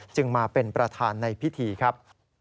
จึงมาเป็นประธานในพิธีครับ